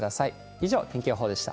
以上、天気予報でした。